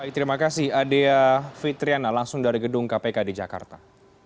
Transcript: terima kasih adea fitriana langsung dari gedung kpk di jakarta